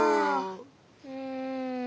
うん。